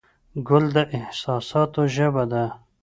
ګل د احساساتو ژبه ده.